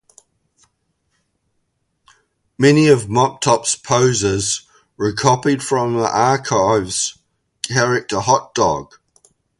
Many of Moptop's poses were copied from the Archies' character Hot Dog.